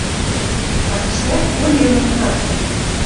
А тиштӓк Поленов цацы!